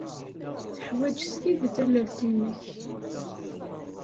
Teḥwaj s tidet tallalt-nnek.